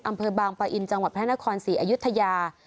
อำเภอบางปะอินจังหวัดพระนครศรีอยุธยา